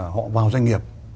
họ vào doanh nghiệp